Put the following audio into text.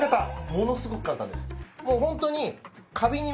ものすごく簡単です。